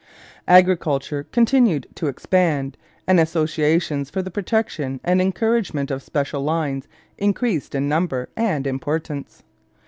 Agriculture continued to expand, and associations for the protection and encouragement of special lines increased in number and in importance.